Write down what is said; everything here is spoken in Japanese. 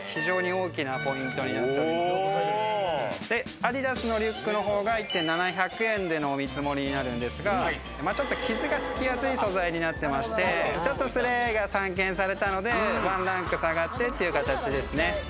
アディダスのリュックのほうが１点７００円でのお見積もりになるんですが傷がつきやすい素材になっていまして、それが散見されたので、ワンランク下がってという形ですね。